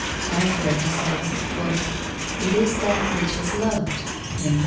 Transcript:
Elsewhere he says "it is that which is loved."